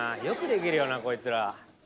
よくできるよなこいつら。